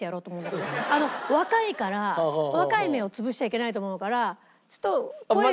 若いから若い芽を潰しちゃいけないと思うからちょっと声は。